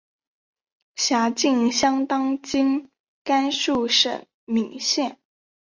辖境相当今甘肃省岷县。